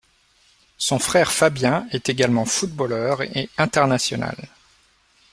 Son frère Fabien est également footballeur et international.